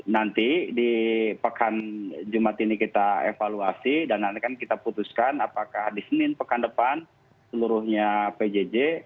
nanti di pekan jumat ini kita evaluasi dan nanti kan kita putuskan apakah di senin pekan depan seluruhnya pjj